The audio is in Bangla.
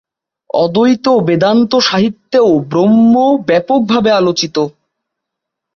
অদ্বৈত বেদান্ত সাহিত্যেও ব্রহ্ম ব্যাপকভাবে আলোচিত।